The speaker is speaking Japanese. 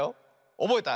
おぼえた？